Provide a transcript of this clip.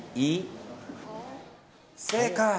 正解！